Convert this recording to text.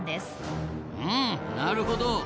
んなるほど。